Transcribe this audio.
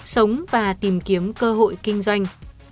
sống và tìm kiếm cơ hội kinh doanh